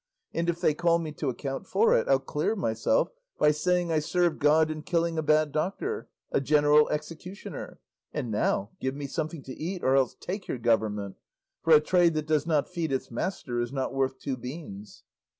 And if they call me to account for it, I'll clear myself by saying I served God in killing a bad doctor a general executioner. And now give me something to eat, or else take your government; for a trade that does not feed its master is not worth two beans."